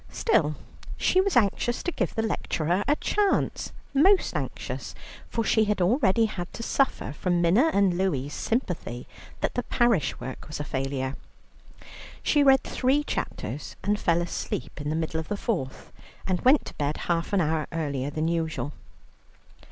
Still she was anxious to give the lecturer a chance, most anxious, for she had already had to suffer from Minna and Louie's sympathy that the parish work was a failure. She read three chapters and fell asleep in the middle of the fourth, and went to bed half an hour earlier than usual.